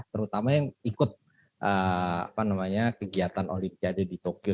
terutama yang ikut kegiatan olimpiade di tokyo